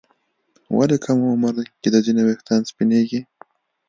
ولې کم عمر کې د ځینو ويښتان سپینېږي؟